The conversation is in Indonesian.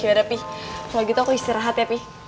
yaudah pi kalo gitu aku istirahat ya pi